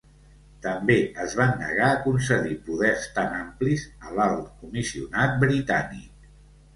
També es van negar a concedir poders tan amplis a l'Alt Comissionat britànic.